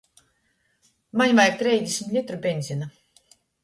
Maņ vajag treisdesmit litru beņzina.